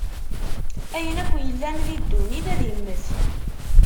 Ayen akk yellan di ddunit ad immet.